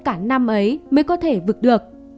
cả năm ấy mới có thể vực được